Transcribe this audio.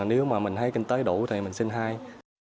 nếu mà mình thấy kinh tế đủ thì mình sinh hai